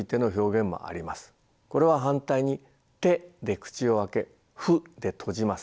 これは反対に「て」で口を開け「ふ」で閉じます。